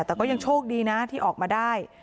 แต่ก็ยังโชคดีนะที่ออกมาได้